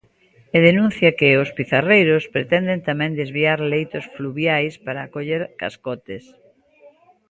E denuncia que "os pizarreiros pretenden tamén desviar leitos fluviais para acoller cascotes".